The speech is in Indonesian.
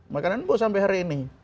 makanan bu sampai hari ini